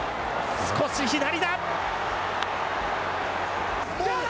少し左だ。